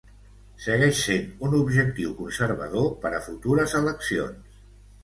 Segueix sent un objectiu conservador per a futures eleccions.